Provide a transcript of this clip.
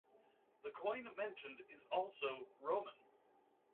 The coin mentioned is also Roman.